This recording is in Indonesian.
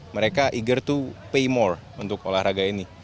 mereka eager to pay more untuk olahraga ini